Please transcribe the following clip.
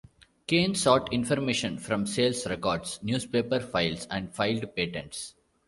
Kane sought information from sales records, newspaper files, and filed patents.